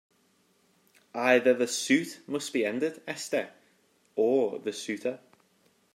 Either the suit must be ended, Esther - or the suitor.